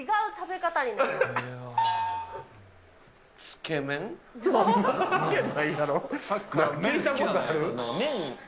つけ麺？